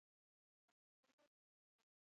چې یو څوک پر مامین وي